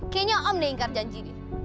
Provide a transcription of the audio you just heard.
kayaknya om diingkar janji